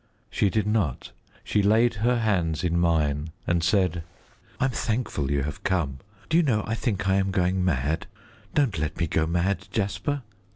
She did not. She laid her hands in mine, and said "I am thankful you have come; do you know, I think I am going mad? Don't let me go mad, Jasper."